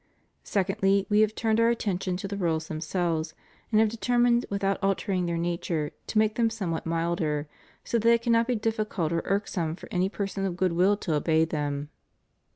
Secondly, We have turned Our attention to the rules themselves, and have determined, ■without altering their nature, to make them somewhat milder, so that it cannot be difficult or irksome for any person of good will to obey them.